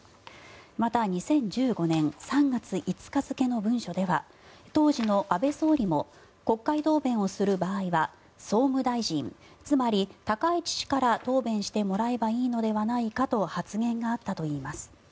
また、２０１５年３月５日付の文書では当時の安倍総理も国会答弁をする場合は総務大臣、つまり高市氏から答弁してもらえばいいのではないかと発言があったといいます。